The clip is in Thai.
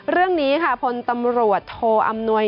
เรื่องนี้ค่ะพลตำรวจโทอำนวย